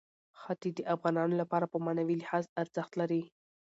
ښتې د افغانانو لپاره په معنوي لحاظ ارزښت لري.